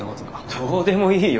どうでもいいよ